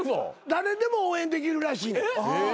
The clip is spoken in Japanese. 誰でも応援できるらしい。